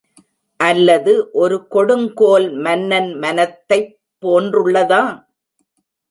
அல்லது ஒரு கொடுங்கோல் மன்னன் மனத்தைப் போன்றுளதா?